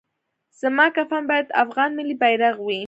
زما کفن باید افغان ملي بیرغ وي